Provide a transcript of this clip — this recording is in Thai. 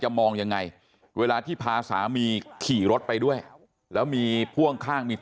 มองยังไงเวลาที่พาสามีขี่รถไปด้วยแล้วมีพ่วงข้างมี